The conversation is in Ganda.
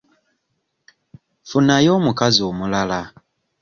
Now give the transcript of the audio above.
Funayo omukazi omulala.